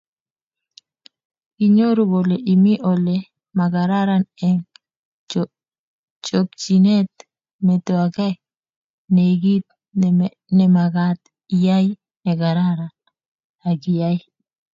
Kinyoru kole imi ole magararan eng chokchinet, metwagei-Nay kit nemagat iyai negararan ,akiyai